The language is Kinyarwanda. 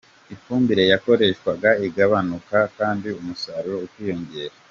Ifumbire yakoreshwaga ikagabanuka, kandi umusaruro ukiyongera.